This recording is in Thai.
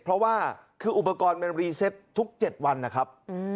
เพราะว่าคืออุปกรณ์มันรีเซตทุก๗วันนะครับ